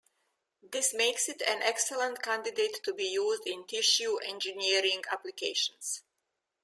This makes it an excellent candidate to be used in tissue engineering applications.